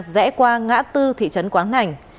rẽ qua ngã tư thị trấn quán hành